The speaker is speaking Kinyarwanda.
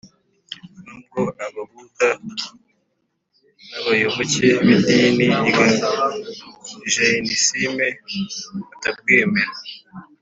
nubwo ababuda n’abayoboke b’idini rya jayinisime batabwemera.